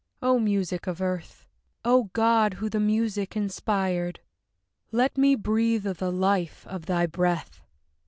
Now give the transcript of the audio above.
O music of Earth! O God, who the music inspired! Let me breathe of the life of thy breath!